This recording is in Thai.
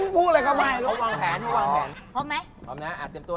เขาเป็นหัวหน้าทีม